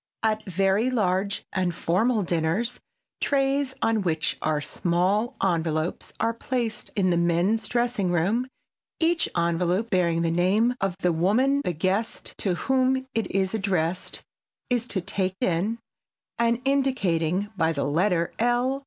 At very large and formal dinners trays on which are small envelopes are placed in the men's dressing room, each envelope bearing the name of the woman the guest to whom it is addressed is to take in, and indicating by the letter L.